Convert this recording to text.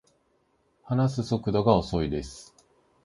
話す速度が遅いです